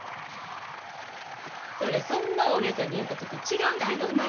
それそんな大げさに言うことと違うけどね。